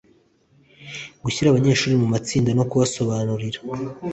Gushyira abanyeshuri mu matsinda no kubasobanurira